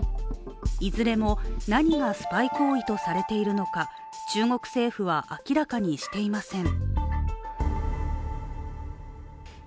いずれも、何がスパイ行為とされているのか中国政府は明らかにしていません。